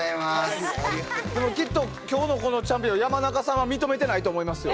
きっと今日のこのチャンピオン山中さんは認めてないと思いますよ。